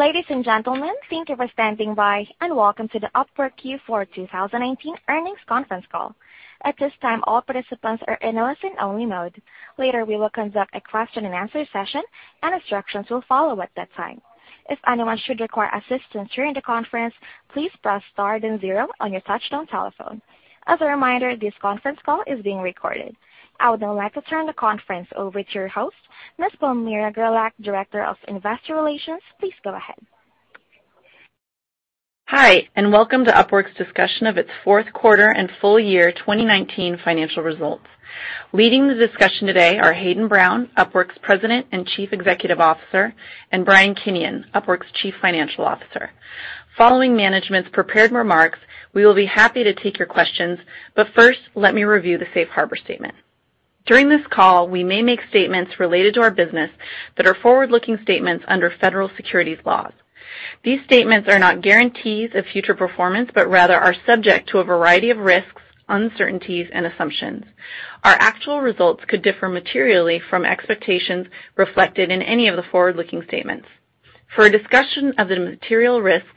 Ladies and gentlemen, thank you for standing by, and welcome to the Upwork Q4 2019 earnings conference call. At this time, all participants are in listen-only mode. Later, we will conduct a question and answer session, and instructions will follow at that time. If anyone should require assistance during the conference, please press star then zero on your touch-tone telephone. As a reminder, this conference call is being recorded. I would now like to turn the conference over to your host, Ms. Palmira Gerlach, Director of Investor Relations. Please go ahead. Hi, and welcome to Upwork's discussion of its fourth quarter and full year 2019 financial results. Leading the discussion today are Hayden Brown, Upwork's President and Chief Executive Officer, and Brian Kinion, Upwork's Chief Financial Officer. Following management's prepared remarks, we will be happy to take your questions, but first, let me review the Safe Harbor statement. During this call, we may make statements related to our business that are forward-looking statements under federal securities laws. These statements are not guarantees of future performance, but rather are subject to a variety of risks, uncertainties, and assumptions. Our actual results could differ materially from expectations reflected in any of the forward-looking statements. For a discussion of the material risks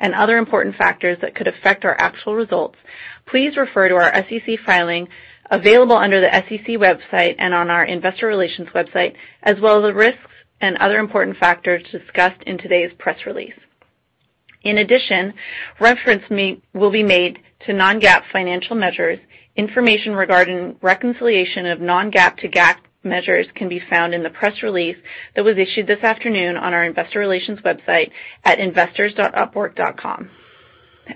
and other important factors that could affect our actual results, please refer to our SEC filing available under the SEC website and on our investor relations website, as well as the risks and other important factors discussed in today's press release. Reference will be made to non-GAAP financial measures. Information regarding reconciliation of non-GAAP to GAAP measures can be found in the press release that was issued this afternoon on our investor relations website at investors.upwork.com.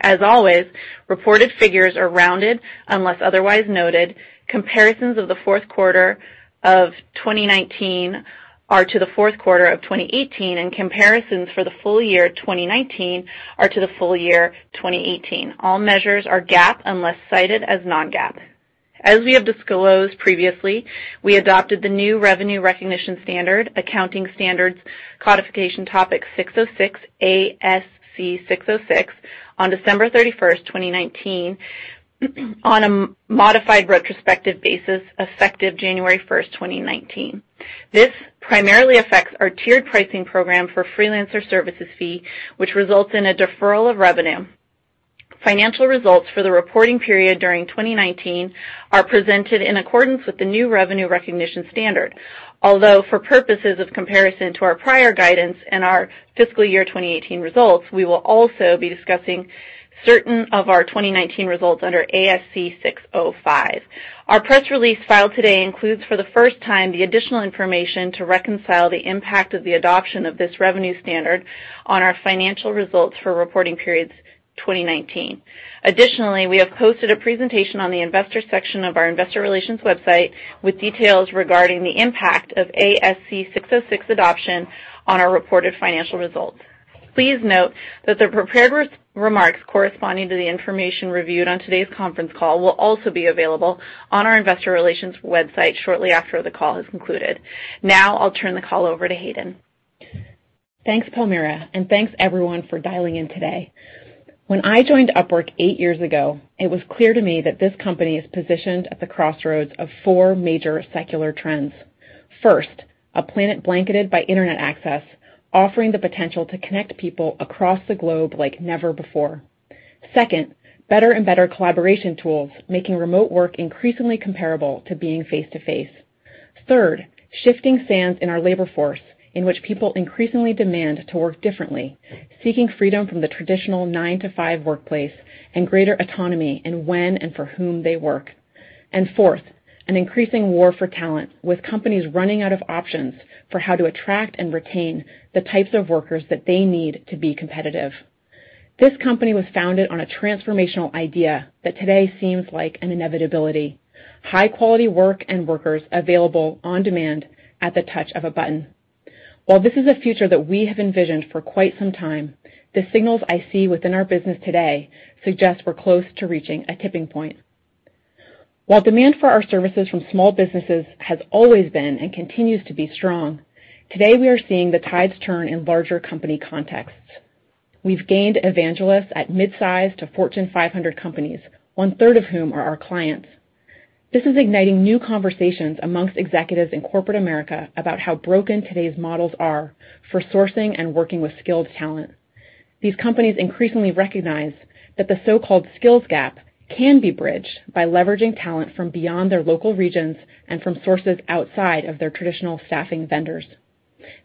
As always, reported figures are rounded unless otherwise noted. Comparisons of the fourth quarter of 2019 are to the fourth quarter of 2018, comparisons for the full year 2019 are to the full year 2018. All measures are GAAP unless cited as non-GAAP. As we have disclosed previously, we adopted the new revenue recognition standard, Accounting Standards Codification Topic 606, ASC 606, on December 31st, 2019, on a modified retrospective basis effective January 1st, 2019. This primarily affects our tiered pricing program for freelancer services fee, which results in a deferral of revenue. Financial results for the reporting period during 2019 are presented in accordance with the new revenue recognition standard. Although for purposes of comparison to our prior guidance and our fiscal year 2018 results, we will also be discussing certain of our 2019 results under ASC 605. Our press release filed today includes, for the first time, the additional information to reconcile the impact of the adoption of this revenue standard on our financial results for reporting periods 2019. Additionally, we have posted a presentation on the investors section of our investor relations website with details regarding the impact of ASC 606 adoption on our reported financial results. Please note that the prepared remarks corresponding to the information reviewed on today's conference call will also be available on our investor relations website shortly after the call has concluded. Now, I'll turn the call over to Hayden. Thanks, Palmira, and thanks everyone for dialing in today. When I joined Upwork eight years ago, it was clear to me that this company is positioned at the crossroads of four major secular trends. First, a planet blanketed by internet access, offering the potential to connect people across the globe like never before. Second, better and better collaboration tools making remote work increasingly comparable to being face-to-face. Third, shifting sands in our labor force in which people increasingly demand to work differently, seeking freedom from the traditional nine-to-five workplace and greater autonomy in when and for whom they work. Fourth, an increasing war for talent, with companies running out of options for how to attract and retain the types of workers that they need to be competitive. This company was founded on a transformational idea that today seems like an inevitability. High-quality work and workers available on demand at the touch of a button. While this is a future that we have envisioned for quite some time, the signals I see within our business today suggest we're close to reaching a tipping point. While demand for our services from small businesses has always been and continues to be strong, today we are seeing the tides turn in larger company contexts. We've gained evangelists at mid-size to Fortune 500 companies, 1/3 of whom are our clients. This is igniting new conversations amongst executives in corporate America about how broken today's models are for sourcing and working with skilled talent. These companies increasingly recognize that the so-called skills gap can be bridged by leveraging talent from beyond their local regions and from sources outside of their traditional staffing vendors.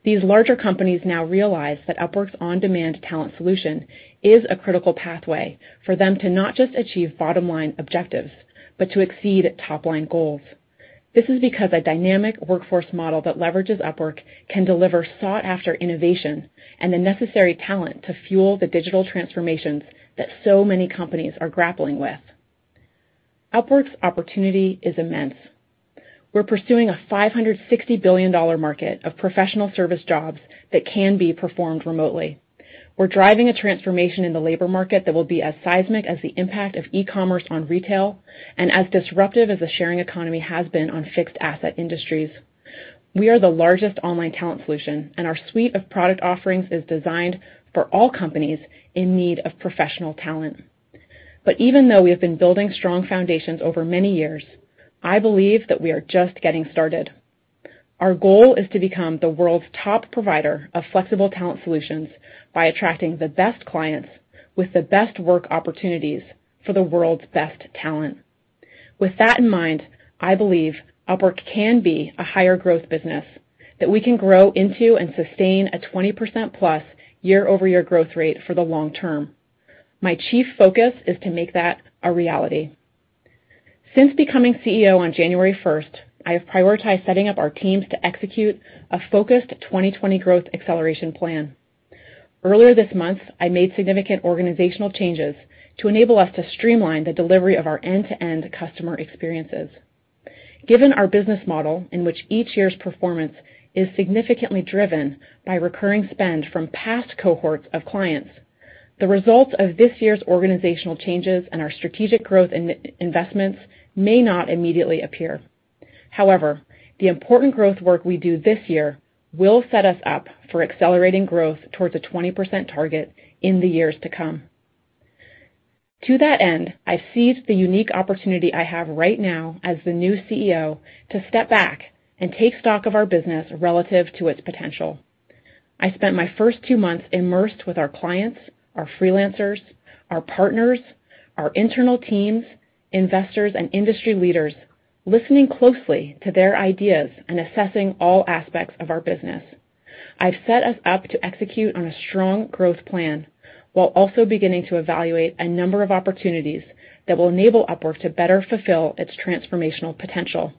These larger companies now realize that Upwork's on-demand talent solution is a critical pathway for them to not just achieve bottom-line objectives, but to exceed top-line goals. This is because a dynamic workforce model that leverages Upwork can deliver sought-after innovation and the necessary talent to fuel the digital transformations that so many companies are grappling with. Upwork's opportunity is immense. We're pursuing a $560 billion market of professional service jobs that can be performed remotely. We're driving a transformation in the labor market that will be as seismic as the impact of e-commerce on retail and as disruptive as the sharing economy has been on fixed-asset industries. We are the largest online talent solution, and our suite of product offerings is designed for all companies in need of professional talent. Even though we have been building strong foundations over many years, I believe that we are just getting started. Our goal is to become the world's top provider of flexible talent solutions by attracting the best clients with the best work opportunities for the world's best talent. With that in mind, I believe Upwork can be a higher growth business, that we can grow into and sustain a 20%+ year-over-year growth rate for the long term. My chief focus is to make that a reality. Since becoming CEO on January 1st, I have prioritized setting up our teams to execute a focused 2020 growth acceleration plan. Earlier this month, I made significant organizational changes to enable us to streamline the delivery of our end-to-end customer experiences. Given our business model, in which each year's performance is significantly driven by recurring spend from past cohorts of clients, the results of this year's organizational changes and our strategic growth investments may not immediately appear. However, the important growth work we do this year will set us up for accelerating growth towards a 20% target in the years to come. To that end, I've seized the unique opportunity I have right now as the new CEO to step back and take stock of our business relative to its potential. I spent my first two months immersed with our clients, our freelancers, our partners, our internal teams, investors, and industry leaders, listening closely to their ideas and assessing all aspects of our business. I've set us up to execute on a strong growth plan while also beginning to evaluate a number of opportunities that will enable Upwork to better fulfill its transformational potential.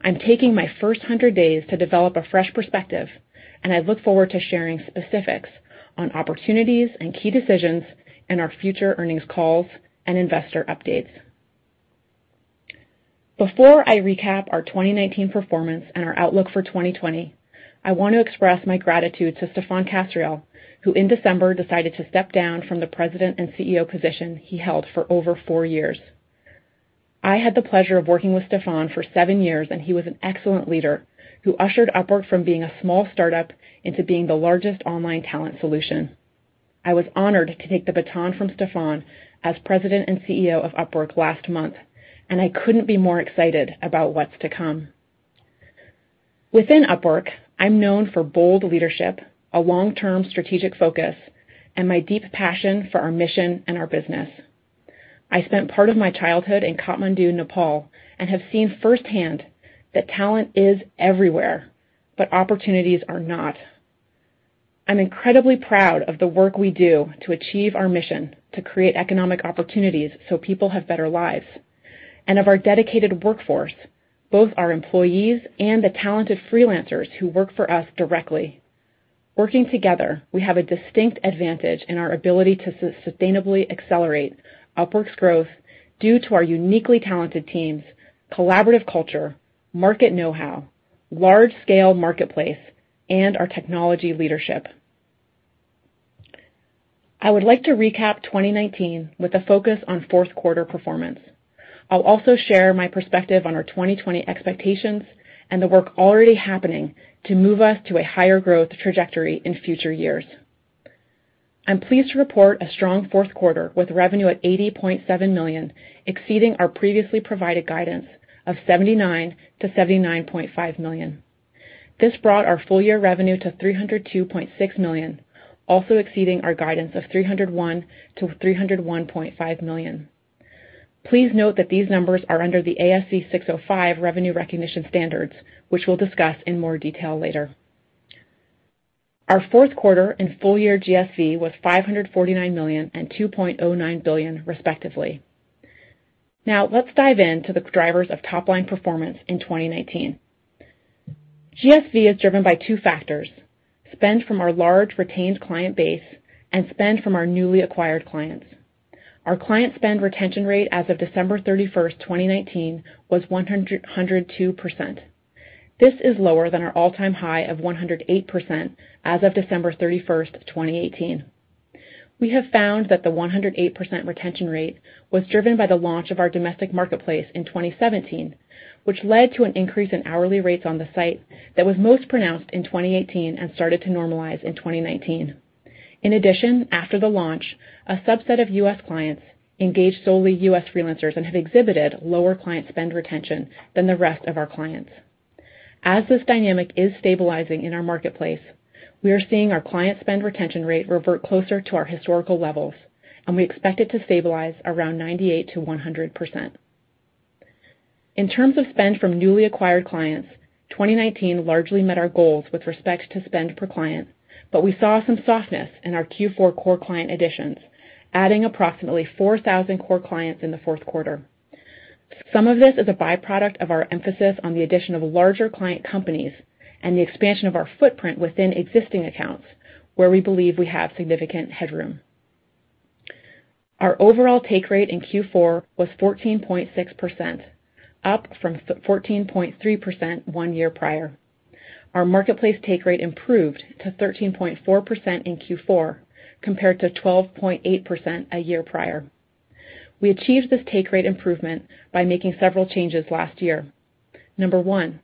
I'm taking my first 100 days to develop a fresh perspective, and I look forward to sharing specifics on opportunities and key decisions in our future earnings calls and investor updates. Before I recap our 2019 performance and our outlook for 2020, I want to express my gratitude to Stephane Kasriel, who in December decided to step down from the President and CEO position he held for over four years. I had the pleasure of working with Stephane for seven years, and he was an excellent leader who ushered Upwork from being a small startup into being the largest online talent solution. I was honored to take the baton from Stephane as President and CEO of Upwork last month, and I couldn't be more excited about what's to come. Within Upwork, I'm known for bold leadership, a long-term strategic focus, and my deep passion for our mission and our business. I spent part of my childhood in Kathmandu, Nepal and have seen firsthand that talent is everywhere, but opportunities are not. I'm incredibly proud of the work we do to achieve our mission to create economic opportunities so people have better lives, and of our dedicated workforce, both our employees and the talented freelancers who work for us directly. Working together, we have a distinct advantage in our ability to sustainably accelerate Upwork's growth due to our uniquely talented teams, collaborative culture, market know-how, large-scale marketplace, and our technology leadership. I would like to recap 2019 with a focus on fourth quarter performance. I'll also share my perspective on our 2020 expectations and the work already happening to move us to a higher growth trajectory in future years. I'm pleased to report a strong fourth quarter with revenue at $80.7 million, exceeding our previously provided guidance of $79 million-$79.5 million. This brought our full-year revenue to $302.6 million, also exceeding our guidance of $301 million-$301.5 million. Please note that these numbers are under the ASC 605 revenue recognition standards, which we'll discuss in more detail later. Our fourth quarter and full-year GSV was $549 million and $2.09 billion respectively. Now, let's dive into the drivers of top-line performance in 2019. GSV is driven by two factors, spend from our large retained client base and spend from our newly acquired clients. Our client spend retention rate as of December 31st, 2019 was 102%. This is lower than our all-time high of 108% as of December 31st, 2018. We have found that the 108% retention rate was driven by the launch of our domestic marketplace in 2017, which led to an increase in hourly rates on the site that was most pronounced in 2018 and started to normalize in 2019. In addition, after the launch, a subset of U.S. clients engaged solely U.S. freelancers and have exhibited lower client spend retention than the rest of our clients. As this dynamic is stabilizing in our marketplace, we are seeing our client spend retention rate revert closer to our historical levels, and we expect it to stabilize around 98%-100%. In terms of spend from newly acquired clients, 2019 largely met our goals with respect to spend per client, but we saw some softness in our Q4 core client additions, adding approximately 4,000 core clients in the fourth quarter. Some of this is a byproduct of our emphasis on the addition of larger client companies and the expansion of our footprint within existing accounts where we believe we have significant headroom. Our overall take rate in Q4 was 14.6%, up from 14.3% one year prior. Our marketplace take rate improved to 13.4% in Q4 compared to 12.8% a year prior. We achieved this take rate improvement by making several changes last year. Number one,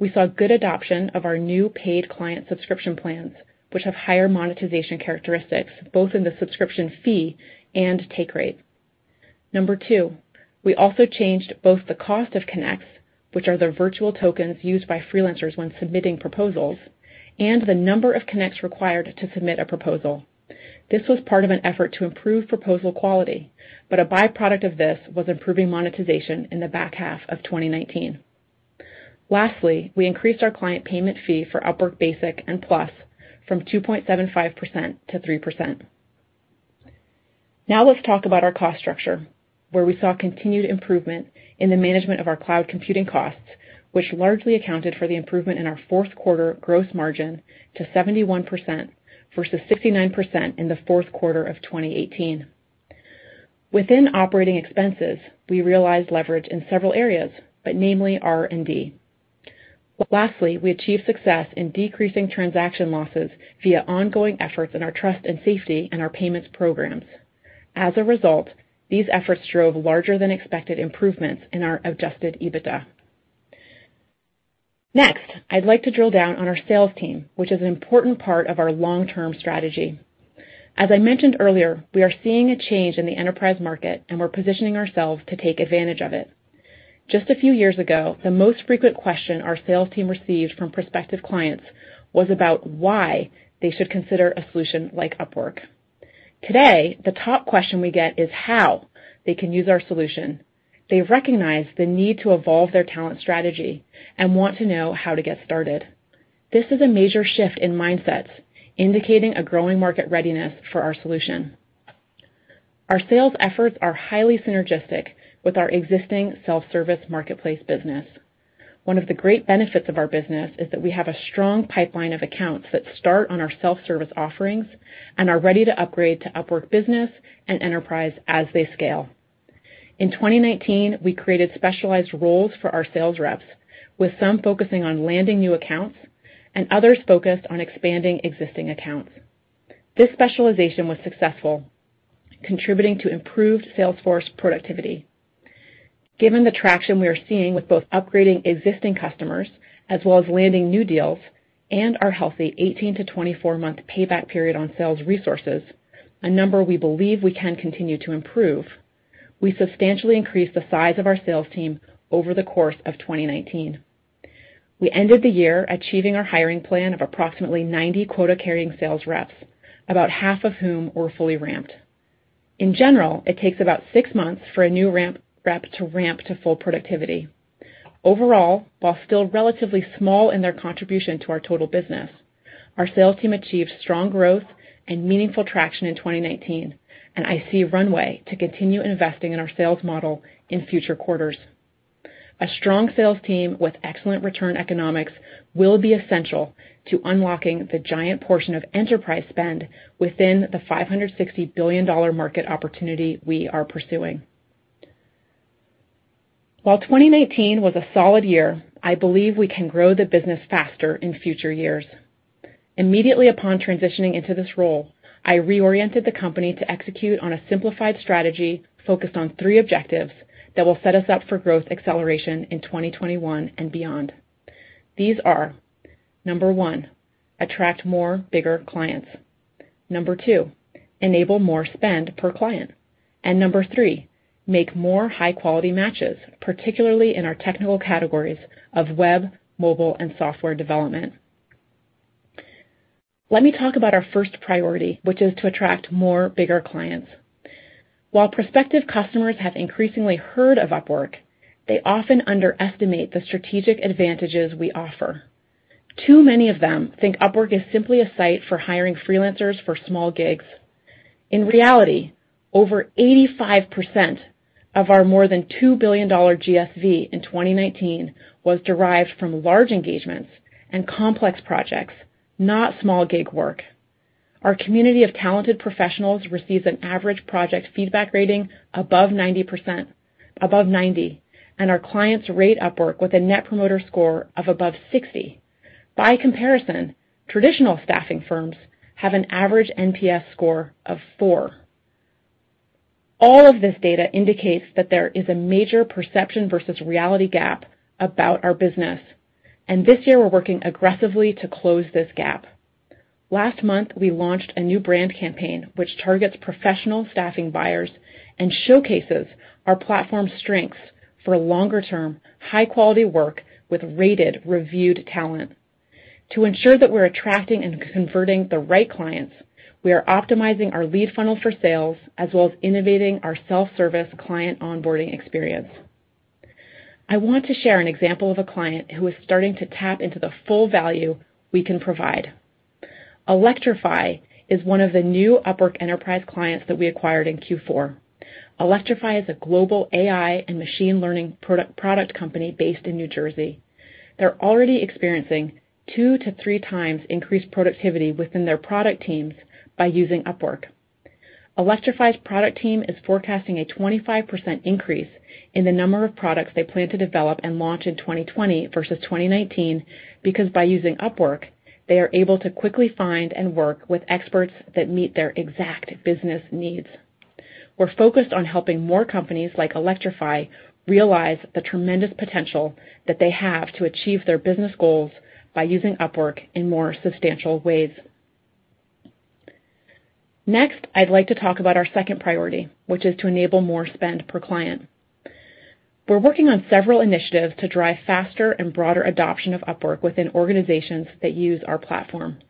we saw good adoption of our new paid client subscription plans, which have higher monetization characteristics, both in the subscription fee and take rate. Number two, we also changed both the cost of Connects, which are the virtual tokens used by freelancers when submitting proposals, and the number of Connects required to submit a proposal. This was part of an effort to improve proposal quality, but a byproduct of this was improving monetization in the back half of 2019. Lastly, we increased our client payment fee for Upwork Basic and Plus from 2.75% to 3%. Let's talk about our cost structure, where we saw continued improvement in the management of our cloud computing costs, which largely accounted for the improvement in our fourth quarter gross margin to 71% versus 69% in the fourth quarter of 2018. Within operating expenses, we realized leverage in several areas, namely R&D. Lastly, we achieved success in decreasing transaction losses via ongoing efforts in our trust and safety and our payments programs. These efforts drove larger than expected improvements in our adjusted EBITDA. I'd like to drill down on our sales team, which is an important part of our long-term strategy. As I mentioned earlier, we are seeing a change in the enterprise market, we're positioning ourselves to take advantage of it. Just a few years ago, the most frequent question our sales team received from prospective clients was about why they should consider a solution like Upwork. Today, the top question we get is how they can use our solution. They've recognized the need to evolve their talent strategy and want to know how to get started. This is a major shift in mindsets, indicating a growing market readiness for our solution. Our sales efforts are highly synergistic with our existing self-service marketplace business. One of the great benefits of our business is that we have a strong pipeline of accounts that start on our self-service offerings and are ready to upgrade to Upwork Business and Enterprise as they scale. In 2019, we created specialized roles for our sales reps, with some focusing on landing new accounts and others focused on expanding existing accounts. This specialization was successful, contributing to improved sales force productivity. Given the traction we are seeing with both upgrading existing customers, as well as landing new deals, and our healthy 18-24 month payback period on sales resources, a number we believe we can continue to improve, we substantially increased the size of our sales team over the course of 2019. We ended the year achieving our hiring plan of approximately 90 quota-carrying sales reps, about half of whom were fully ramped. In general, it takes about six months for a new rep to ramp to full productivity. Overall, while still relatively small in their contribution to our total business, our sales team achieved strong growth and meaningful traction in 2019, and I see a runway to continue investing in our sales model in future quarters. A strong sales team with excellent return economics will be essential to unlocking the giant portion of enterprise spend within the $560 billion market opportunity we are pursuing. While 2019 was a solid year, I believe we can grow the business faster in future years. Immediately upon transitioning into this role, I reoriented the company to execute on a simplified strategy focused on three objectives that will set us up for growth acceleration in 2021 and beyond. These are, number one, attract more, bigger clients. Number two, enable more spend per client. Number three, make more high-quality matches, particularly in our technical categories of web, mobile, and software development. Let me talk about our first priority, which is to attract more, bigger clients. While prospective customers have increasingly heard of Upwork, they often underestimate the strategic advantages we offer. Too many of them think Upwork is simply a site for hiring freelancers for small gigs. In reality, over 85% of our more than $2 billion GSV in 2019 was derived from large engagements and complex projects, not small gig work. Our community of talented professionals receives an average project feedback rating above 90, and our clients rate Upwork with a Net Promoter Score of above 60. By comparison, traditional staffing firms have an average NPS score of four. All of this data indicates that there is a major perception versus reality gap about our business, and this year we're working aggressively to close this gap. Last month, we launched a new brand campaign which targets professional staffing buyers and showcases our platform's strengths for longer-term, high-quality work with rated, reviewed talent. To ensure that we're attracting and converting the right clients, we are optimizing our lead funnel for sales as well as innovating our self-service client onboarding experience. I want to share an example of a client who is starting to tap into the full value we can provide. ElectrifAi is one of the new Upwork Enterprise clients that we acquired in Q4. ElectrifAi is a global AI and machine learning product company based in New Jersey. They're already experiencing two to three times increased productivity within their product teams by using Upwork. ElectrifAi's product team is forecasting a 25% increase in the number of products they plan to develop and launch in 2020 versus 2019 because by using Upwork, they are able to quickly find and work with experts that meet their exact business needs. We're focused on helping more companies like ElectrifAi realize the tremendous potential that they have to achieve their business goals by using Upwork in more substantial ways. Next, I'd like to talk about our second priority, which is to enable more spend per client. We're working on several initiatives to drive faster and broader adoption of Upwork within organizations that use our platform.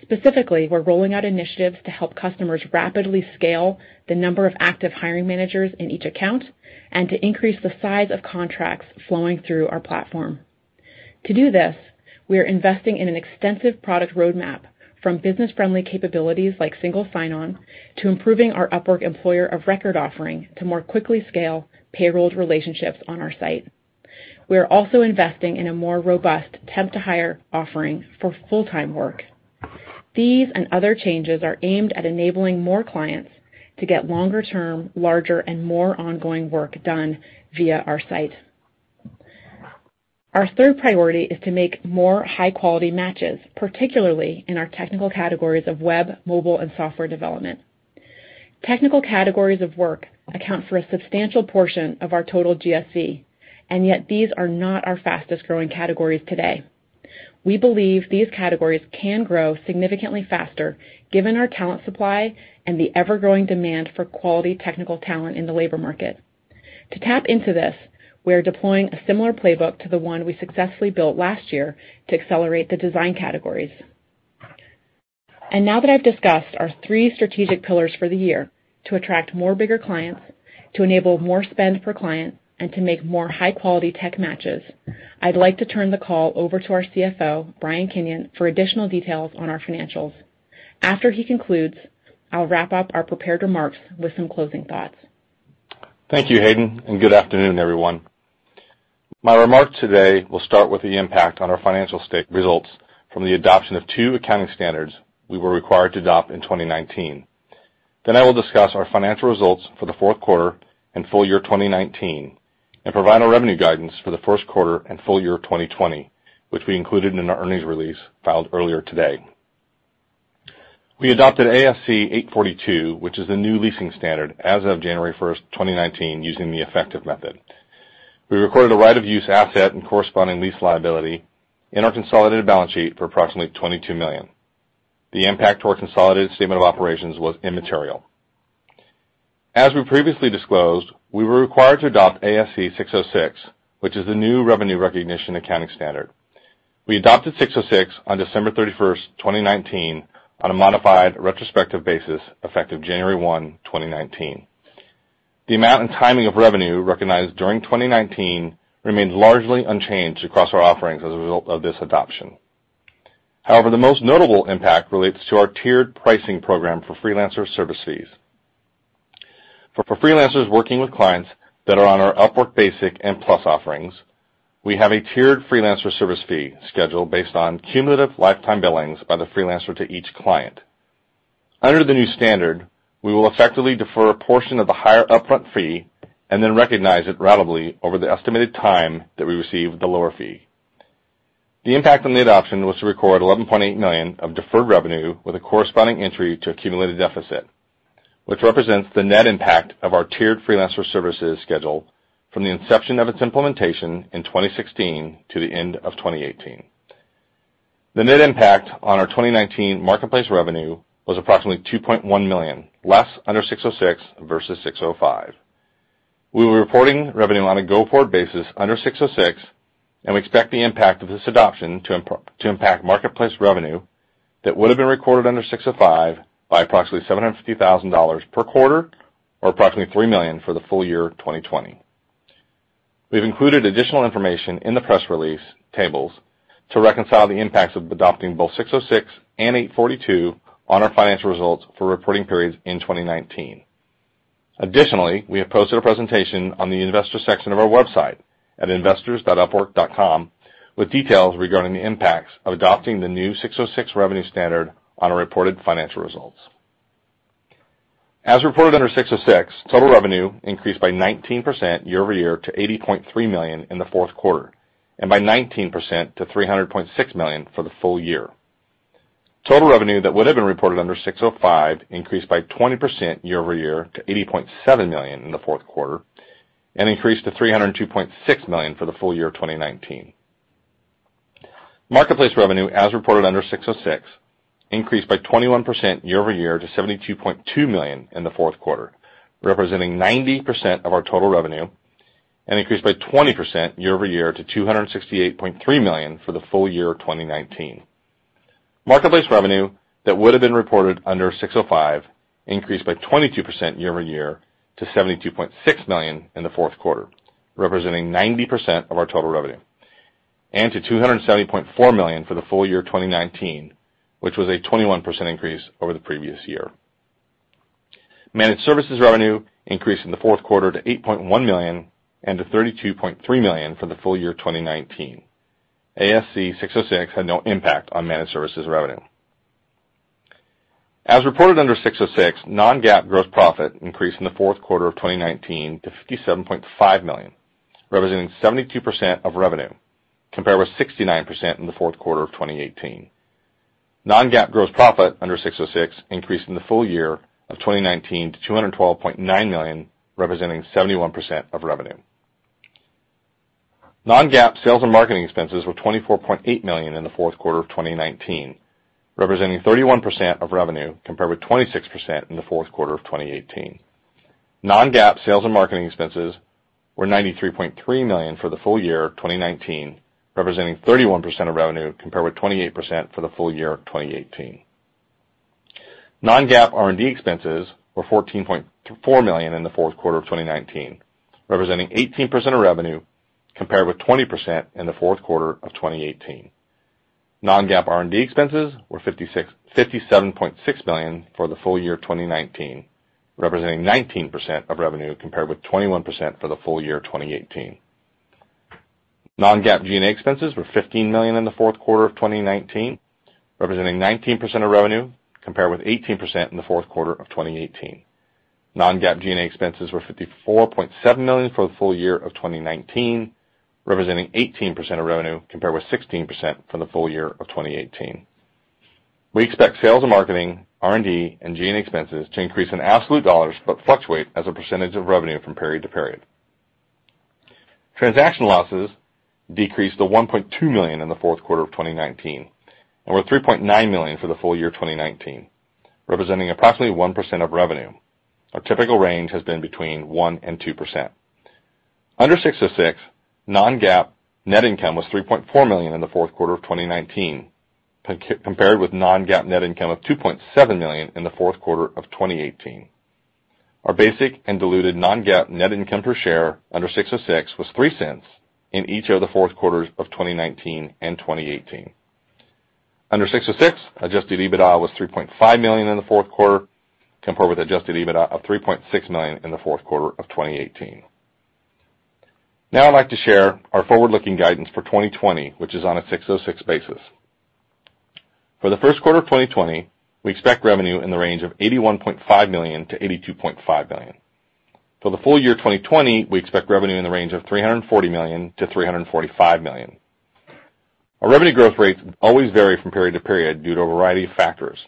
Specifically, we're rolling out initiatives to help customers rapidly scale the number of active hiring managers in each account and to increase the size of contracts flowing through our platform. To do this, we are investing in an extensive product roadmap from business-friendly capabilities like single sign-on to improving our Upwork Employer of Record offering to more quickly scale payrolls relationships on our site. We are also investing in a more robust temp-to-hire offering for full-time work. These and other changes are aimed at enabling more clients to get longer-term, larger, and more ongoing work done via our site. Our third priority is to make more high-quality matches, particularly in our technical categories of web, mobile, and software development. Technical categories of work account for a substantial portion of our total GSV, and yet these are not our fastest-growing categories today. We believe these categories can grow significantly faster given our talent supply and the ever-growing demand for quality technical talent in the labor market. To tap into this, we're deploying a similar playbook to the one we successfully built last year to accelerate the design categories. Now that I've discussed our three strategic pillars for the year: to attract more bigger clients, to enable more spend per client, and to make more high-quality tech matches, I'd like to turn the call over to our CFO, Brian Kinion, for additional details on our financials. After he concludes, I'll wrap up our prepared remarks with some closing thoughts. Thank you, Hayden. Good afternoon, everyone. My remarks today will start with the impact on our financial results from the adoption of two accounting standards we were required to adopt in 2019. I will discuss our financial results for the fourth quarter and full year 2019 and provide our revenue guidance for the first quarter and full year 2020, which we included in our earnings release filed earlier today. We adopted ASC 842, which is the new leasing standard as of January 1st, 2019, using the effective method. We recorded a right-of-use asset and corresponding lease liability in our consolidated balance sheet for approximately $22 million. The impact to our consolidated statement of operations was immaterial. As we previously disclosed, we were required to adopt ASC 606, which is the new revenue recognition accounting standard. We adopted ASC 606 on December 31st, 2019, on a modified retrospective basis effective January 1, 2019. However, the amount and timing of revenue recognized during 2019 remained largely unchanged across our offerings as a result of this adoption. The most notable impact relates to our tiered pricing program for freelancer service fees. For freelancers working with clients that are on our Upwork Basic and Plus offerings, we have a tiered freelancer service fee schedule based on cumulative lifetime billings by the freelancer to each client. Under the new standard, we will effectively defer a portion of the higher upfront fee and then recognize it ratably over the estimated time that we receive the lower fee. The impact on the adoption was to record $11.8 million of deferred revenue with a corresponding entry to accumulated deficit, which represents the net impact of our tiered freelancer services schedule from the inception of its implementation in 2016 to the end of 2018. The net impact on our 2019 marketplace revenue was approximately $2.1 million less under ASC 606 versus ASC 605. We were reporting revenue on a go-forward basis under ASC 606, and we expect the impact of this adoption to impact marketplace revenue that would have been recorded under ASC 605 by approximately $750,000 per quarter or approximately $3 million for the full year 2020. We've included additional information in the press release tables to reconcile the impacts of adopting both ASC 606 and ASC 842 on our financial results for reporting periods in 2019. Additionally, we have posted a presentation on the investor section of our website at investors.upwork.com with details regarding the impacts of adopting the new ASC 606 revenue standard on our reported financial results. As reported under ASC 606, total revenue increased by 19% year-over-year to $80.3 million in the fourth quarter and by 19% to $300.6 million for the full year. Total revenue that would have been reported under ASC 605 increased by 20% year-over-year to $80.7 million in the fourth quarter and increased to $302.6 million for the full year of 2019. Marketplace revenue, as reported under ASC 606, increased by 21% year-over-year to $72.2 million in the fourth quarter, representing 90% of our total revenue, and increased by 20% year-over-year to $268.3 million for the full year of 2019. Marketplace revenue that would have been reported under ASC 605 increased by 22% year-over-year to $72.6 million in the fourth quarter, representing 90% of our total revenue, and to $270.4 million for the full year of 2019, which was a 21% increase over the previous year. Managed services revenue increased in the fourth quarter to $8.1 million and to $32.3 million for the full year of 2019. ASC 606 had no impact on managed services revenue. As reported under ASC 606, non-GAAP gross profit increased in the fourth quarter of 2019 to $57.5 million, representing 72% of revenue, compared with 69% in the fourth quarter of 2018. Non-GAAP gross profit under ASC 606 increased in the full year of 2019 to $212.9 million, representing 71% of revenue. Non-GAAP sales and marketing expenses were $24.8 million in the fourth quarter of 2019, representing 31% of revenue, compared with 26% in the fourth quarter of 2018. Non-GAAP sales and marketing expenses were $93.3 million for the full year of 2019, representing 31% of revenue, compared with 28% for the full year of 2018. Non-GAAP R&D expenses were $14.4 million in the fourth quarter of 2019, representing 18% of revenue, compared with 20% in the fourth quarter of 2018. Non-GAAP R&D expenses were $57.6 million for the full year of 2019, representing 19% of revenue, compared with 21% for the full year of 2018. Non-GAAP G&A expenses were $15 million in the fourth quarter of 2019, representing 19% of revenue, compared with 18% in the fourth quarter of 2018. Non-GAAP G&A expenses were $54.7 million for the full year of 2019, representing 18% of revenue, compared with 16% for the full year of 2018. We expect sales and marketing, R&D and G&A expenses to increase in absolute dollars but fluctuate as a percentage of revenue from period to period. Transaction losses decreased to $1.2 million in the fourth quarter of 2019 and were $3.9 million for the full year of 2019, representing approximately 1% of revenue. Our typical range has been between 1% and 2%. Under ASC 606, non-GAAP net income was $3.4 million in the fourth quarter of 2019 compared with non-GAAP net income of $2.7 million in the fourth quarter of 2018. Our basic and diluted non-GAAP net income per share under ASC 606 was $0.03 in each of the fourth quarters of 2019 and 2018. Under ASC 606, adjusted EBITDA was $3.5 million in the fourth quarter, compared with adjusted EBITDA of $3.6 million in the fourth quarter of 2018. Now I'd like to share our forward-looking guidance for 2020, which is on a ASC 606 basis. For the first quarter of 2020, we expect revenue in the range of $81.5 million-$82.5 million. For the full year of 2020, we expect revenue in the range of $340 million-$345 million. Our revenue growth rates always vary from period to period due to a variety of factors.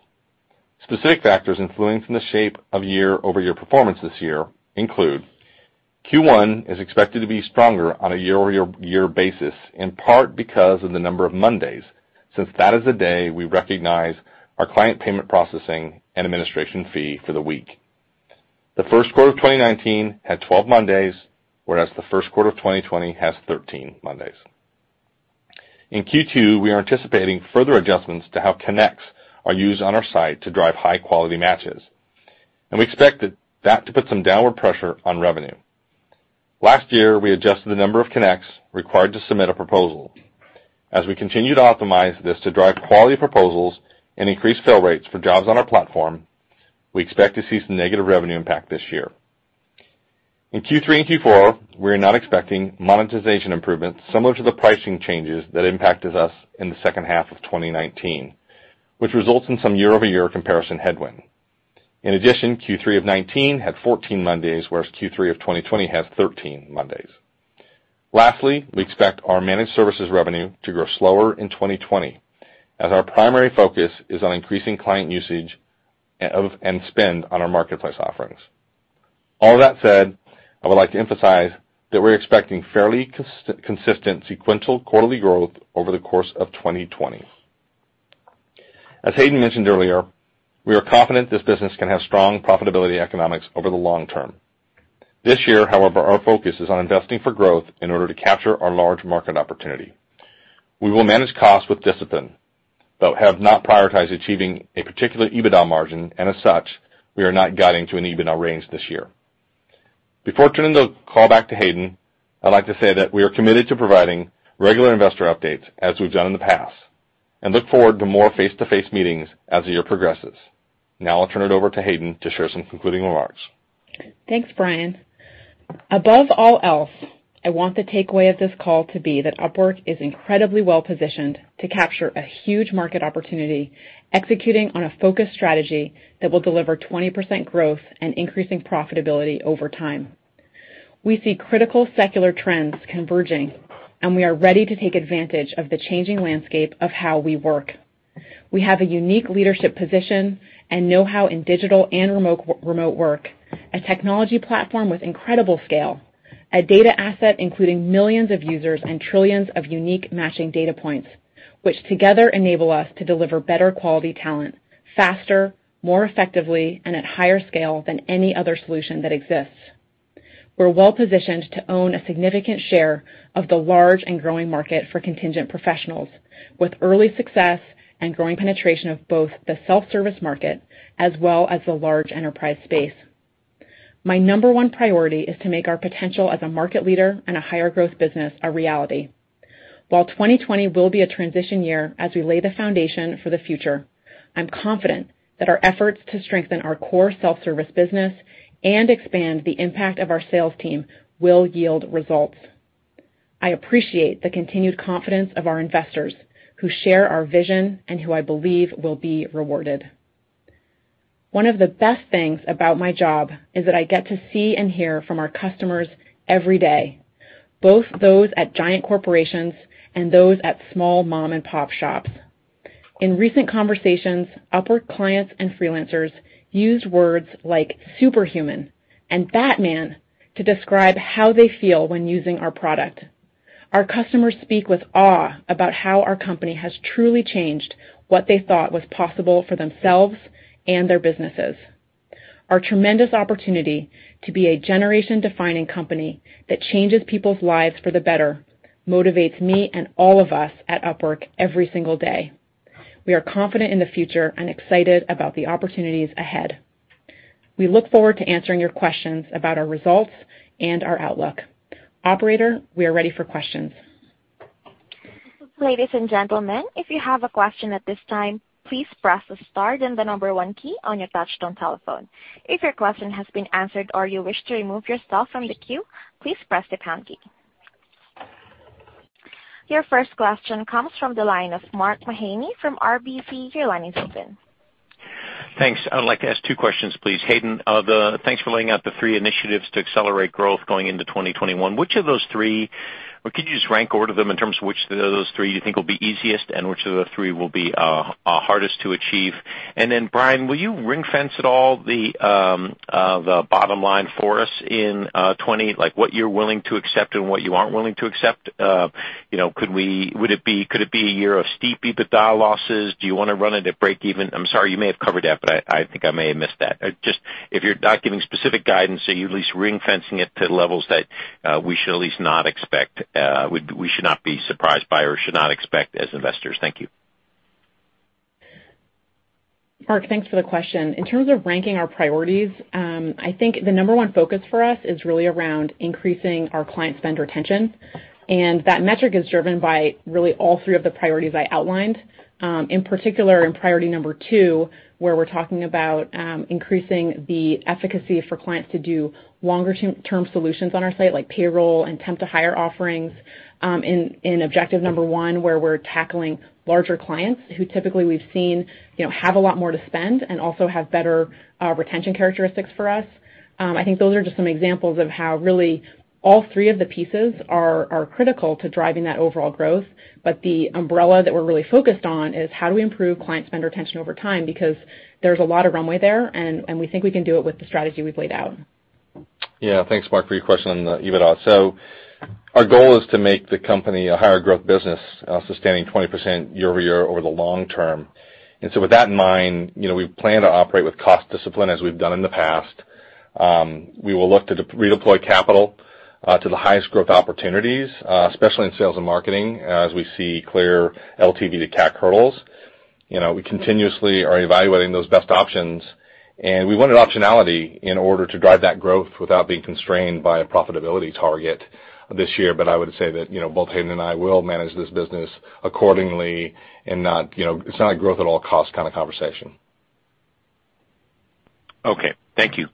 Specific factors influencing the shape of year-over-year performance this year include Q1 is expected to be stronger on a year-over-year basis, in part because of the number of Mondays, since that is the day we recognize our client payment processing and administration fee for the week. The first quarter of 2019 had 12 Mondays, whereas the first quarter of 2020 has 13 Mondays. In Q2, we are anticipating further adjustments to how Connects are used on our site to drive high-quality matches, and we expect that to put some downward pressure on revenue. Last year, we adjusted the number of Connects required to submit a proposal. As we continue to optimize this to drive quality proposals and increase fill rates for jobs on our platform, we expect to see some negative revenue impact this year. In Q3 and Q4, we are not expecting monetization improvements similar to the pricing changes that impacted us in the second half of 2019, which results in some year-over-year comparison headwind. In addition, Q3 of 2019 had 14 Mondays, whereas Q3 of 2020 has 13 Mondays. Lastly, we expect our managed services revenue to grow slower in 2020 as our primary focus is on increasing client usage and spend on our marketplace offerings. All that said, I would like to emphasize that we're expecting fairly consistent sequential quarterly growth over the course of 2020. As Hayden mentioned earlier, we are confident this business can have strong profitability economics over the long term. This year, however, our focus is on investing for growth in order to capture our large market opportunity. We will manage costs with discipline but have not prioritized achieving a particular EBITDA margin, and as such, we are not guiding to an EBITDA range this year. Before turning the call back to Hayden, I'd like to say that we are committed to providing regular investor updates as we've done in the past and look forward to more face-to-face meetings as the year progresses. Now I'll turn it over to Hayden to share some concluding remarks. Thanks, Brian. Above all else, I want the takeaway of this call to be that Upwork is incredibly well-positioned to capture a huge market opportunity, executing on a focused strategy that will deliver 20% growth and increasing profitability over time. We see critical secular trends converging, we are ready to take advantage of the changing landscape of how we work. We have a unique leadership position and know-how in digital and remote work, a technology platform with incredible scale, a data asset including millions of users and trillions of unique matching data points, which together enable us to deliver better quality talent faster, more effectively, and at higher scale than any other solution that exists. We're well-positioned to own a significant share of the large and growing market for contingent professionals with early success and growing penetration of both the self-service market as well as the large enterprise space. My number one priority is to make our potential as a market leader and a higher growth business a reality. While 2020 will be a transition year as we lay the foundation for the future, I'm confident that our efforts to strengthen our core self-service business and expand the impact of our sales team will yield results. I appreciate the continued confidence of our investors who share our vision and who I believe will be rewarded. One of the best things about my job is that I get to see and hear from our customers every day, both those at giant corporations and those at small mom-and-pop shops. In recent conversations, Upwork clients and freelancers used words like superhuman and Batman to describe how they feel when using our product. Our customers speak with awe about how our company has truly changed what they thought was possible for themselves and their businesses. Our tremendous opportunity to be a generation-defining company that changes people's lives for the better motivates me and all of us at Upwork every single day. We are confident in the future and excited about the opportunities ahead. We look forward to answering your questions about our results and our outlook. Operator, we are ready for questions. Ladies and gentlemen, if you have a question at this time, please press the star then the number one key on your touch-tone telephone. If your question has been answered or you wish to remove yourself from the queue, please press the pound key. Your first question comes from the line of Mark Mahaney from RBC. Your line is open. Thanks. I would like to ask two questions, please. Hayden, thanks for laying out the three initiatives to accelerate growth going into 2021. Which of those three, or could you just rank order them in terms of which of those three you think will be easiest and which of the three will be hardest to achieve? Brian, will you ring-fence at all the bottom line for us in 2020, like what you're willing to accept and what you aren't willing to accept? Could it be a year of steep EBITDA losses? Do you want to run it at break even? I'm sorry, you may have covered that, but I think I may have missed that. Just if you're not giving specific guidance, are you at least ring-fencing it to levels that we should at least not expect, we should not be surprised by or should not expect as investors? Thank you. Mark, thanks for the question. In terms of ranking our priorities, I think the number one focus for us is really around increasing our client spend retention, and that metric is driven by really all three of the priorities I outlined. In particular, in priority number two, where we're talking about increasing the efficacy for clients to do longer-term solutions on our site, like payroll and temp-to-hire offerings, in objective number one, where we're tackling larger clients who typically we've seen have a lot more to spend and also have better retention characteristics for us. I think those are just some examples of how really all three of the pieces are critical to driving that overall growth. The umbrella that we're really focused on is how do we improve client spend retention over time, because there's a lot of runway there, and we think we can do it with the strategy we've laid out. Yeah, thanks, Mark, for your question on the EBITDA. Our goal is to make the company a higher growth business, sustaining 20% year-over-year over the long term. With that in mind, we plan to operate with cost discipline as we've done in the past. We will look to redeploy capital to the highest growth opportunities, especially in sales and marketing, as we see clear LTV to CAC hurdles. We continuously are evaluating those best options, and we want an optionality in order to drive that growth without being constrained by a profitability target this year. I would say that both Hayden and I will manage this business accordingly and it's not a growth at all cost kind of conversation. Okay. Thank you.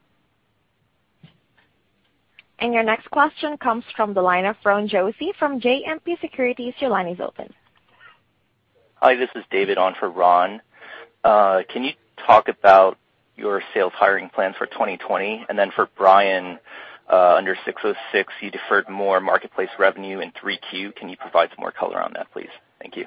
Your next question comes from the line of Ron Josey from JMP Securities. Your line is open. Hi, this is David on for Ron. Can you talk about your sales hiring plans for 2020? For Brian, under ASC 606, you deferred more marketplace revenue in 3Q. Can you provide some more color on that, please? Thank you.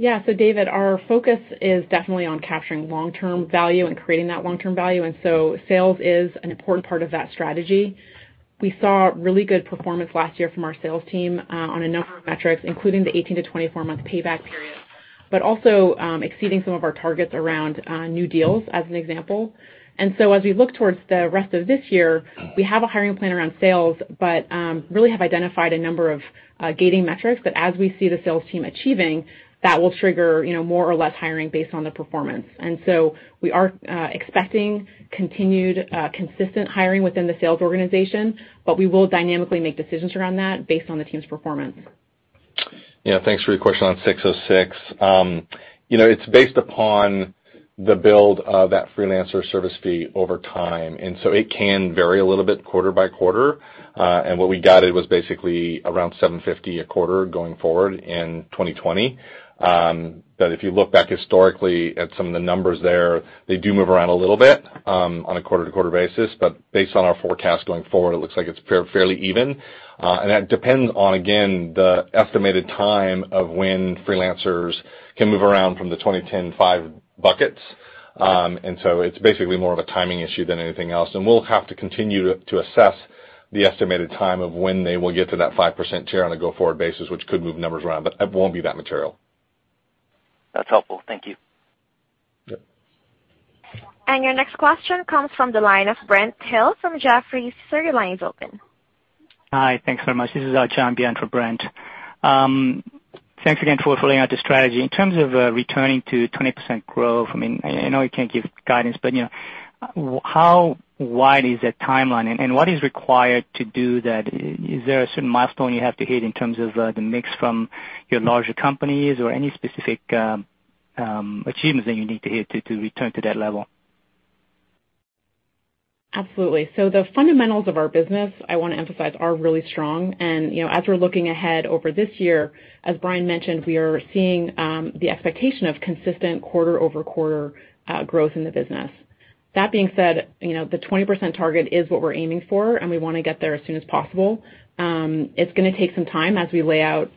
Yeah. David, our focus is definitely on capturing long-term value and creating that long-term value, and so sales is an important part of that strategy. We saw really good performance last year from our sales team on a number of metrics, including the 18 to 24-month payback period, but also exceeding some of our targets around new deals, as an example. As we look towards the rest of this year, we have a hiring plan around sales, but really have identified a number of gating metrics that as we see the sales team achieving, that will trigger more or less hiring based on the performance. We are expecting continued consistent hiring within the sales organization, but we will dynamically make decisions around that based on the team's performance. Yeah, thanks for your question on ASC 606. It's based upon the build of that freelancer service fee over time, and so it can vary a little bit quarter by quarter. What we guided was basically around $750,000 a quarter going forward in 2020. If you look back historically at some of the numbers there, they do move around a little bit on a quarter-to-quarter basis, but based on our forecast going forward, it looks like it's fairly even. That depends on, again, the estimated time of when freelancers can move around from the 2010 five buckets. It's basically more of a timing issue than anything else. We'll have to continue to assess the estimated time of when they will get to that 5% tier on a go-forward basis, which could move numbers around, but it won't be that material. That's helpful. Thank you. Yep. Your next question comes from the line of Brent Thill from Jefferies. Sir, your line is open. Hi, thanks very much. This is John Byun for Brent. Thanks again for laying out the strategy. In terms of returning to 20% growth, I know you can't give guidance, but how wide is that timeline, and what is required to do that? Is there a certain milestone you have to hit in terms of the mix from your larger companies or any specific achievements that you need to hit to return to that level? Absolutely. The fundamentals of our business, I want to emphasize, are really strong. As we're looking ahead over this year, as Brian mentioned, we are seeing the expectation of consistent quarter-over-quarter growth in the business. That being said, the 20% target is what we're aiming for, and we want to get there as soon as possible. It's going to take some time as we continue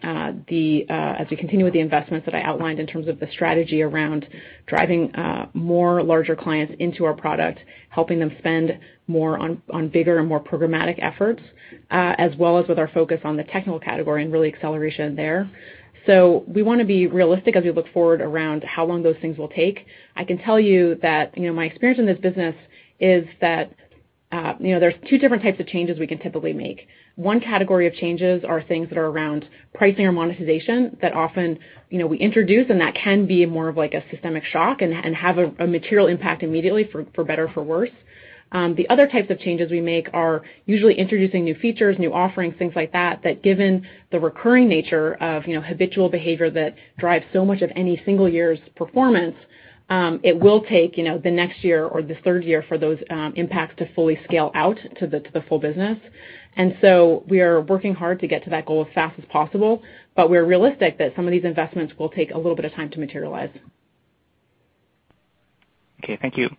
with the investments that I outlined in terms of the strategy around driving more larger clients into our product, helping them spend more on bigger and more programmatic efforts, as well as with our focus on the technical category and really acceleration there. We want to be realistic as we look forward around how long those things will take. I can tell you that my experience in this business is that there's two different types of changes we can typically make. One category of changes are things that are around pricing or monetization that often we introduce, and that can be more of a systemic shock and have a material impact immediately, for better or for worse. The other types of changes we make are usually introducing new features, new offerings, things like that given the recurring nature of habitual behavior that drives so much of any single year's performance, it will take the next year or the third year for those impacts to fully scale out to the full business. We are working hard to get to that goal as fast as possible, but we're realistic that some of these investments will take a little bit of time to materialize. Okay, thank you.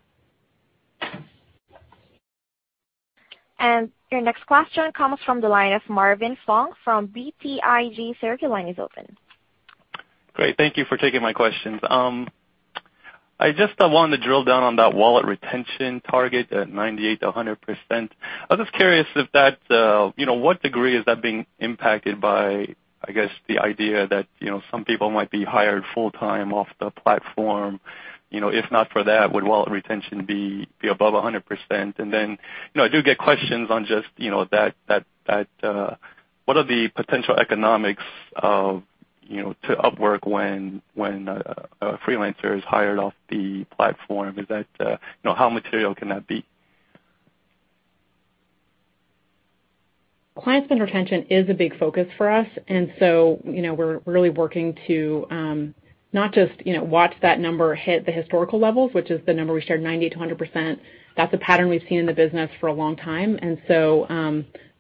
Your next question comes from the line of Marvin Fong from BTIG. Sir, your line is open. Great. Thank you for taking my questions. I just wanted to drill down on that wallet retention target at 98%-100%. I was just curious to what degree is that being impacted by, I guess, the idea that some people might be hired full-time off the platform. If not for that, would wallet retention be above 100%? I do get questions on what are the potential economics to Upwork when a freelancer is hired off the platform. How material can that be? Client spend retention is a big focus for us, and so we're really working to not just watch that number hit the historical levels, which is the number we shared, 90%-100%. That's a pattern we've seen in the business for a long time.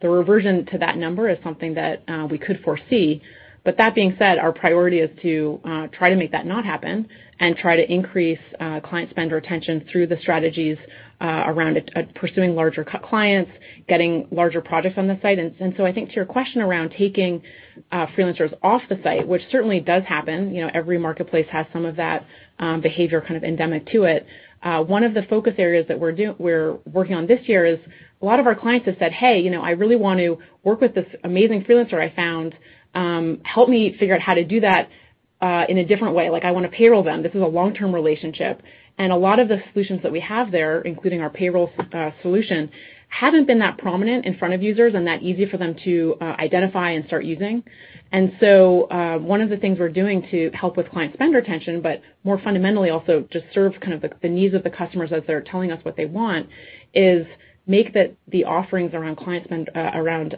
The reversion to that number is something that we could foresee. That being said, our priority is to try to make that not happen and try to increase client spend retention through the strategies around pursuing larger clients, getting larger projects on the site. I think to your question around taking freelancers off the site, which certainly does happen, every marketplace has some of that behavior endemic to it. One of the focus areas that we're working on this year is a lot of our clients have said, "Hey, I really want to work with this amazing freelancer I found. Help me figure out how to do that in a different way. I want to payroll them. This is a long-term relationship. A lot of the solutions that we have there, including our payroll solution, haven't been that prominent in front of users and that easy for them to identify and start using. One of the things we're doing to help with client spend retention, but more fundamentally, also just serve the needs of the customers as they're telling us what they want, is make the offerings around client spend around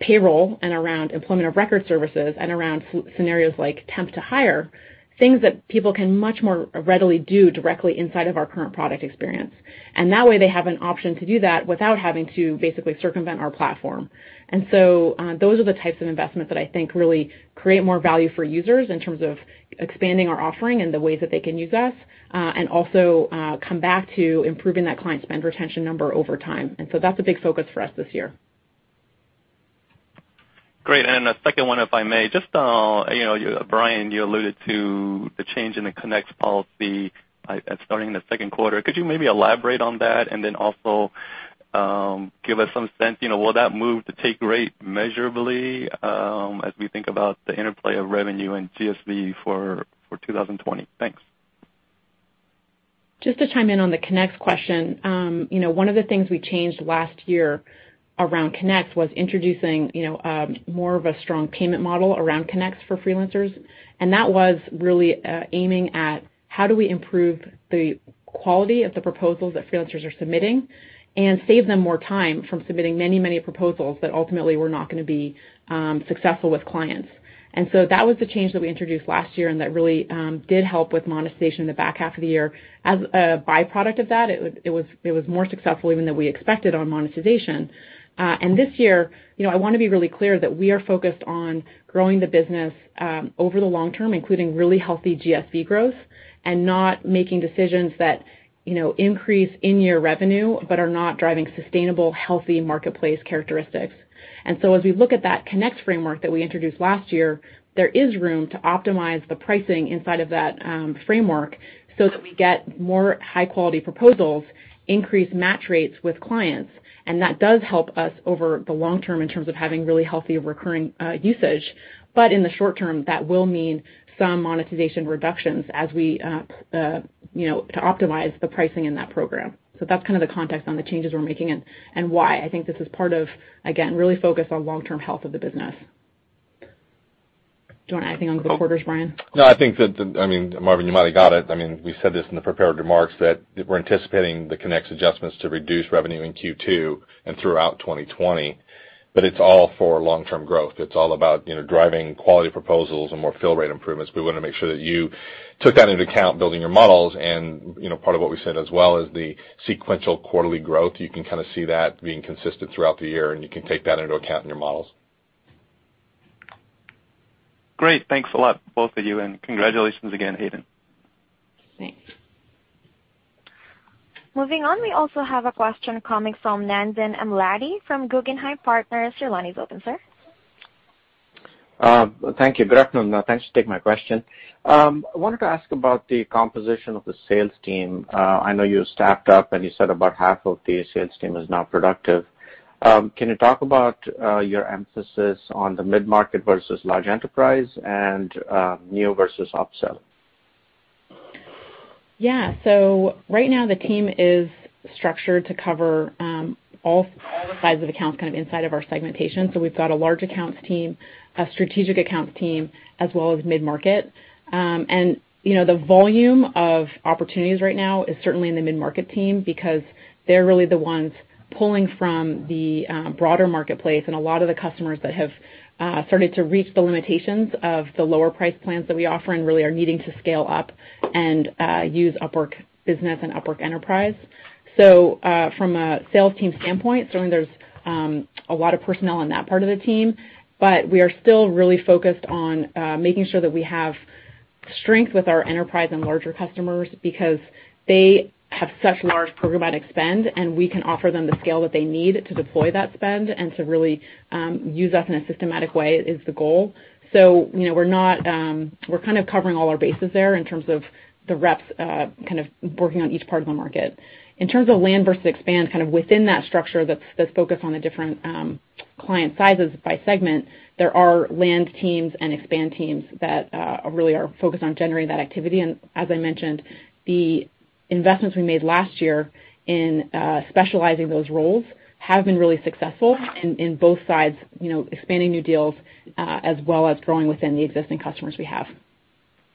payroll and around Employer of Record services and around scenarios like temp-to-hire, things that people can much more readily do directly inside of our current product experience. That way they have an option to do that without having to basically circumvent our platform. Those are the types of investments that I think really create more value for users in terms of expanding our offering and the ways that they can use us, and also come back to improving that client spend retention number over time. That's a big focus for us this year. Great. A second one, if I may. Brian, you alluded to the change in the Connects policy starting in the second quarter. Could you maybe elaborate on that and then also give us some sense, will that move the take rate measurably as we think about the interplay of revenue and GSV for 2020? Thanks. Just to chime in on the Connects question. One of the things we changed last year around Connects was introducing more of a strong payment model around Connects for freelancers. That was really aiming at how do we improve the quality of the proposals that freelancers are submitting and save them more time from submitting many proposals that ultimately were not going to be successful with clients. That was the change that we introduced last year, and that really did help with monetization in the back half of the year. As a byproduct of that, it was more successful even than we expected on monetization. This year, I want to be really clear that we are focused on growing the business over the long term, including really healthy GSV growth and not making decisions that increase in-year revenue but are not driving sustainable, healthy marketplace characteristics. As we look at that Connects framework that we introduced last year, there is room to optimize the pricing inside of that framework so that we get more high-quality proposals, increase match rates with clients, and that does help us over the long term in terms of having really healthy recurring usage. In the short term, that will mean some monetization reductions to optimize the pricing in that program. That's the context on the changes we're making and why I think this is part of, again, really focused on long-term health of the business. Do you want to add anything on the quarters, Brian? No, I think that, Marvin, you might have got it. We said this in the prepared remarks, that we're anticipating the Connects adjustments to reduce revenue in Q2 and throughout 2020, but it's all for long-term growth. It's all about driving quality proposals and more fill rate improvements. We want to make sure that you took that into account building your models. Part of what we said as well is the sequential quarterly growth. You can see that being consistent throughout the year, and you can take that into account in your models. Great. Thanks a lot, both of you, and congratulations again, Hayden. Thanks. Moving on. We also have a question coming from Nandan Amladi from Guggenheim Partners. Your line is open, sir. Thank you. Good afternoon. Thanks for taking my question. I wanted to ask about the composition of the sales team. I know you staffed up, and you said about half of the sales team is now productive. Can you talk about your emphasis on the mid-market versus large enterprise and new versus upsell? Right now the team is structured to cover all the sides of accounts inside of our segmentation. We've got a large accounts team, a strategic accounts team, as well as mid-market. The volume of opportunities right now is certainly in the mid-market team because they're really the ones pulling from the broader marketplace and a lot of the customers that have started to reach the limitations of the lower price plans that we offer and really are needing to scale up and use Upwork Business and Upwork Enterprise. From a sales team standpoint, certainly there's a lot of personnel in that part of the team, but we are still really focused on making sure that we have strength with our enterprise and larger customers because they have such large programmatic spend, and we can offer them the scale that they need to deploy that spend and to really use us in a systematic way is the goal. We're kind of covering all our bases there in terms of the reps working on each part of the market. In terms of land versus expand, within that structure that's focused on the different client sizes by segment, there are land teams and expand teams that really are focused on generating that activity. As I mentioned, the investments we made last year in specializing those roles have been really successful in both sides, expanding new deals as well as growing within the existing customers we have.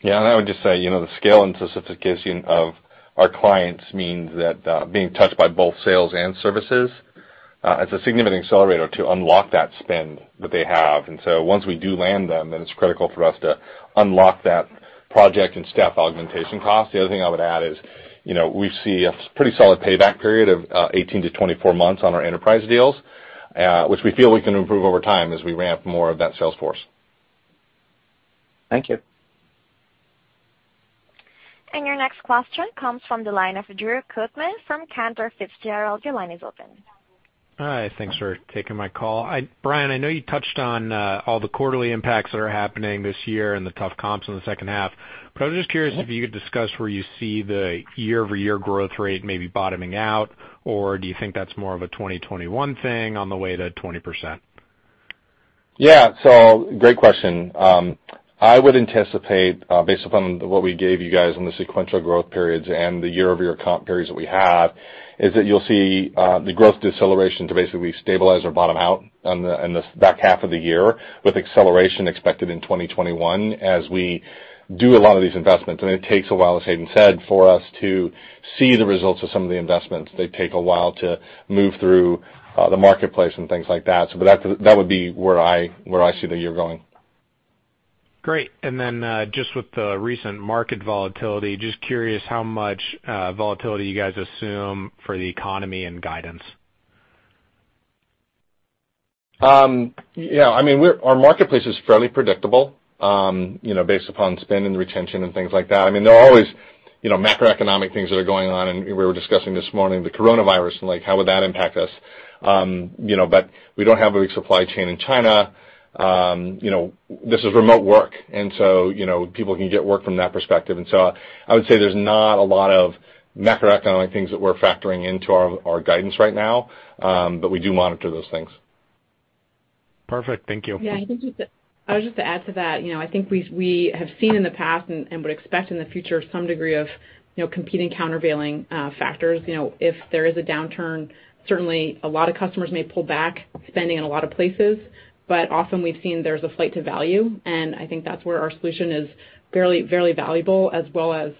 I would just say the scale and sophistication of our clients means that being touched by both sales and services is a significant accelerator to unlock that spend that they have. Once we do land them, then it's critical for us to unlock that project and staff augmentation cost. The other thing I would add is we see a pretty solid payback period of 18 to 24 months on our enterprise deals, which we feel we can improve over time as we ramp more of that sales force. Thank you. Your next question comes from the line of Drew Kootman from Cantor Fitzgerald. Your line is open. Hi. Thanks for taking my call. Brian, I know you touched on all the quarterly impacts that are happening this year and the tough comps in the second half, but I was just curious if you could discuss where you see the year-over-year growth rate maybe bottoming out, or do you think that's more of a 2021 thing on the way to 20%? Yeah. Great question. I would anticipate, based upon what we gave you guys on the sequential growth periods and the year-over-year comp periods that we have, is that you'll see the growth deceleration to basically stabilize or bottom out in the back half of the year with acceleration expected in 2021 as we do a lot of these investments. It takes a while, as Hayden said, for us to see the results of some of the investments. They take a while to move through the marketplace and things like that. That would be where I see the year going. Great. Just with the recent market volatility, just curious how much volatility you guys assume for the economy and guidance? Yeah, our marketplace is fairly predictable based upon spend and retention and things like that. There are always macroeconomic things that are going on, and we were discussing this morning the coronavirus and how would that impact us. We don't have a big supply chain in China. This is remote work, so people can get work from that perspective. I would say there's not a lot of macroeconomic things that we're factoring into our guidance right now, but we do monitor those things. Perfect. Thank you. Yeah, I think I'll just add to that. I think we have seen in the past and would expect in the future some degree of competing countervailing factors. If there is a downturn, certainly a lot of customers may pull back spending in a lot of places, but often we've seen there's a flight to value, and I think that's where our solution is very valuable as well as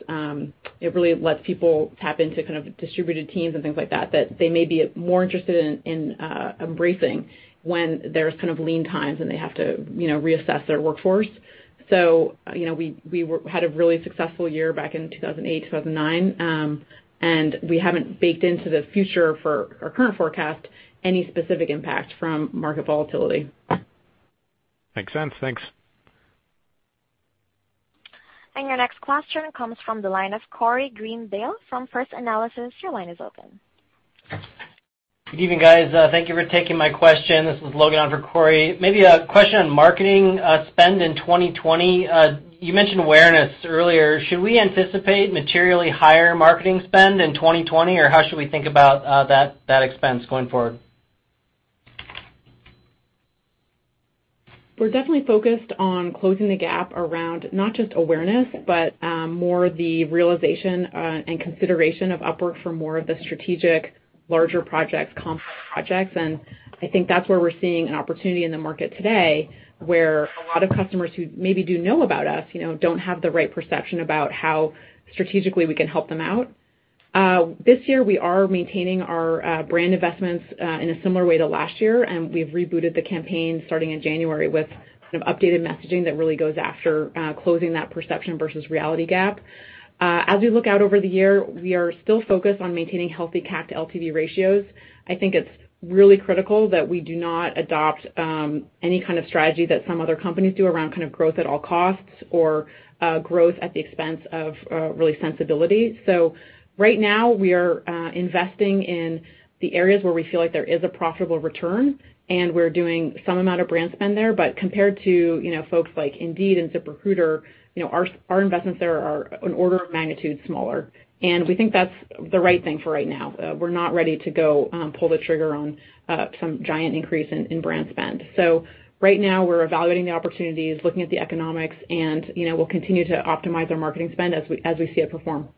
it really lets people tap into distributed teams and things like that they may be more interested in embracing when there's lean times and they have to reassess their workforce. We had a really successful year back in 2008, 2009, and we haven't baked into the future for our current forecast any specific impact from market volatility. Makes sense. Thanks. Your next question comes from the line of Corey Greendale from First Analysis. Your line is open. Good evening, guys. Thank you for taking my question. This is Logan on for Corey. Maybe a question on marketing spend in 2020. You mentioned awareness earlier. Should we anticipate materially higher marketing spend in 2020, or how should we think about that expense going forward? We're definitely focused on closing the gap around not just awareness, but more the realization and consideration of Upwork for more of the strategic larger projects, complex projects. I think that's where we're seeing an opportunity in the market today where a lot of customers who maybe do know about us don't have the right perception about how strategically we can help them out. This year, we are maintaining our brand investments in a similar way to last year, and we've rebooted the campaign starting in January with updated messaging that really goes after closing that perception versus reality gap. As we look out over the year, we are still focused on maintaining healthy CAC to LTV ratios. I think it's really critical that we do not adopt any kind of strategy that some other companies do around growth at all costs or growth at the expense of really sensibility. Right now, we are investing in the areas where we feel like there is a profitable return, and we're doing some amount of brand spend there, but compared to folks like Indeed and ZipRecruiter, our investments there are an order of magnitude smaller. We think that's the right thing for right now. We're not ready to go pull the trigger on some giant increase in brand spend. Right now we're evaluating the opportunities, looking at the economics, and we'll continue to optimize our marketing spend as we see it perform.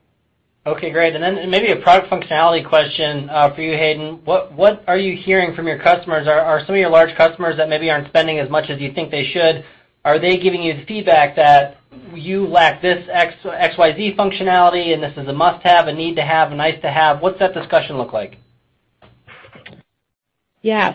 Okay, great. Maybe a product functionality question for you, Hayden. What are you hearing from your customers? Are some of your large customers that maybe aren't spending as much as you think they should, are they giving you the feedback that you lack this XYZ functionality and this is a must-have, a need to have, a nice to have? What's that discussion look like? Yeah.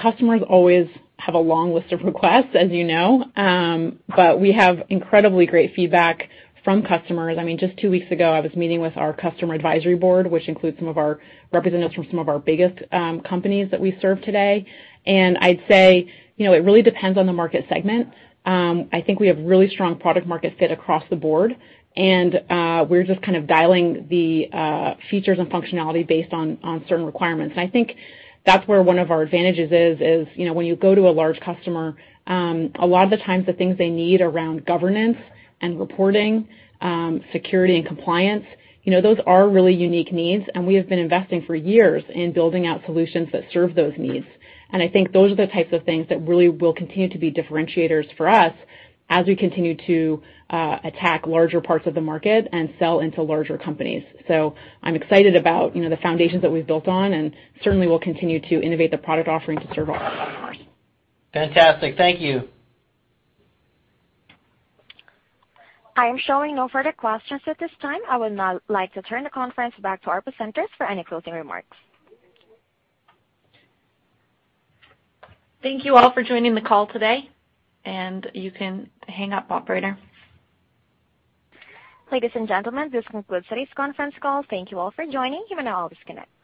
Customers always have a long list of requests, as you know. We have incredibly great feedback from customers. Just two weeks ago, I was meeting with our Customer Advisory Board, which includes some of our representatives from some of our biggest companies that we serve today. I'd say, it really depends on the market segment. I think we have really strong product market fit across the board, and we're just kind of dialing the features and functionality based on certain requirements. I think that's where one of our advantages is when you go to a large customer, a lot of the times the things they need around governance and reporting, security and compliance, those are really unique needs, and we have been investing for years in building out solutions that serve those needs. I think those are the types of things that really will continue to be differentiators for us as we continue to attack larger parts of the market and sell into larger companies. I'm excited about the foundations that we've built on, and certainly we'll continue to innovate the product offering to serve all our customers. Fantastic. Thank you. I am showing no further questions at this time. I would now like to turn the conference back to our presenters for any closing remarks. Thank you all for joining the call today. You can hang up, operator. Ladies and gentlemen, this concludes today's conference call. Thank you all for joining. You may now disconnect.